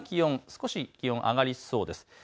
少し気温が上がりそうです。